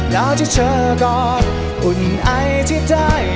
แล้วที่เธอก็อุ่นไอที่ใจ